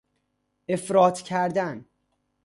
افراط کردن